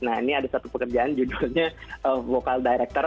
nah ini ada satu pekerjaan judulnya local director